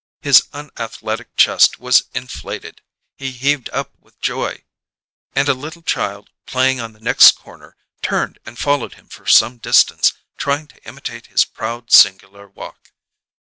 His unathletic chest was inflated; he heaved up with joy; and a little child, playing on the next corner, turned and followed him for some distance, trying to imitate his proud, singular walk.